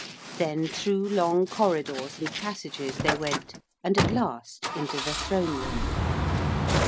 Then through long corridors and passages they went, and at last into the throne room.